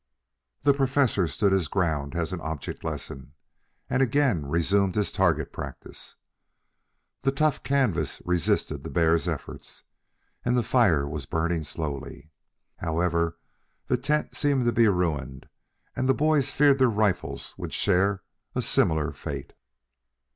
The Professor stood his ground as an object lesson and again resumed his target practice. The tough canvas resisted the bear's efforts, and the fire was burning slowly. However, the tent seemed to be ruined and the boys feared their rifles would share a similar fate.